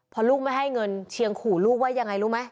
พอลูกไม่ให้เงินเชียงขู่ลูกว่ายังไงรู้ไหม